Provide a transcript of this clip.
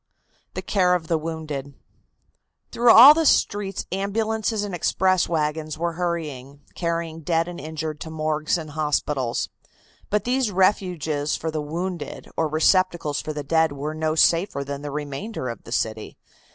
THE CARE OF THE WOUNDED. Through all the streets ambulances and express wagons were hurrying, carrying dead and injured to morgues and hospitals. But these refuges for the wounded or receptacles for the dead were no safer than the remainder of the city.